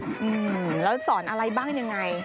อืมแล้วสอนอะไรบ้างยังไง